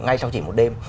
ngay sau chỉ một đêm